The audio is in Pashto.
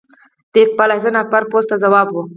د اقبال حسین افګار پوسټ ته ځواب و.